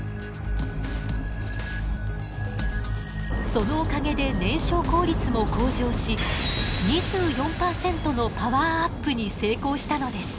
そのおかげで燃焼効率も向上し２４％のパワーアップに成功したのです。